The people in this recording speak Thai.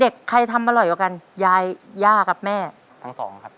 ใครทำอร่อยกว่ากันยายย่ากับแม่ทั้งสองครับ